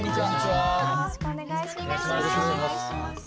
よろしくお願いします。